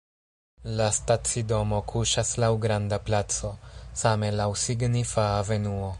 La stacidomo kuŝas laŭ granda placo, same laŭ signifa avenuo.